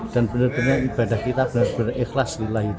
dan benar benar ibadah kita benar benar ikhlas